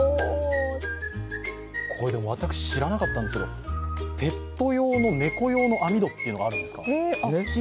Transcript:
私、知らなかったんですけどペット用、猫用の網戸っていうのがあるんですか。